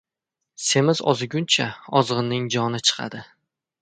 • Semiz oziguncha ozg‘inning joni chiqadi.